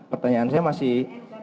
pertanyaan saya masih